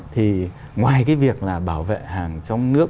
thì ngoài cái việc là bảo vệ hàng trong nước